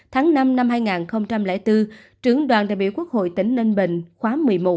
tháng năm năm hai nghìn bốn trưởng đoàn đại biểu quốc hội tỉnh ninh bình khóa một mươi một